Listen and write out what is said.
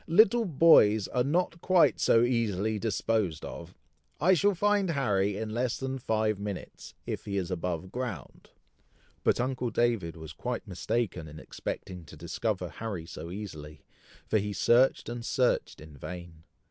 little boys are not quite so easily disposed of. I shall find Harry in less than five minutes, if he is above ground." But uncle David was quite mistaken in expecting to discover Harry so easily, for he searched and searched in vain.